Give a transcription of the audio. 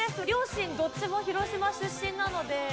両親、どっちも広島出身なんで。